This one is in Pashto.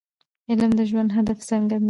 علم د ژوند هدف څرګندوي.